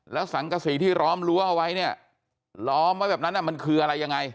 แล้วสังกษีที่ล้อมรั้วเอาไว้เนี่ยล้อมไว้แบบนั้นมันคืออะไรยังไง